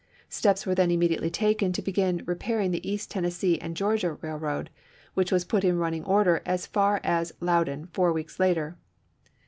Steps were then immediately taken to begin repairing the East Tennessee and Georgia Railroad, which was put in running order as far as Loudon four weeks later.